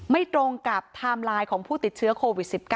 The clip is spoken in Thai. ตรงกับไทม์ไลน์ของผู้ติดเชื้อโควิด๑๙